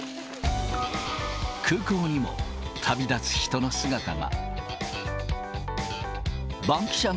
空港にも、旅立つ人の姿が。